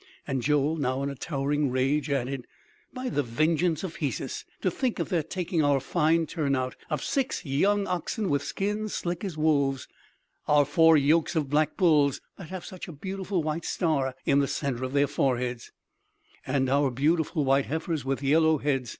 And Joel, now in a towering rage, added: "By the vengeance of Hesus! To think of their taking our fine turn out of six young oxen with skins slick as wolves! Our four yokes of black bulls that have such a beautiful white star in the center of their foreheads!" "And our beautiful white heifers with yellow heads!"